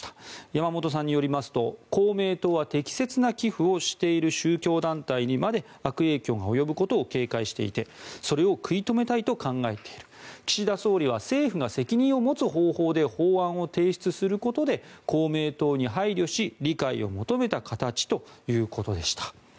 山本さんによりますと公明党は、適切な寄付をしている宗教団体にまで悪影響が及ぶことを警戒していてそれを食い止めたいと考えている岸田総理は政府が責任を持つ方法で法案を提出することで公明党に配慮し理解を求めた形ということでした。